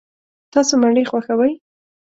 تاسو مڼې خوښوئ؟